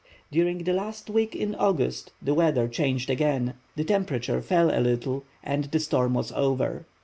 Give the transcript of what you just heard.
During the last week in August the weather changed again, the temperature fell a little, and the storm was over.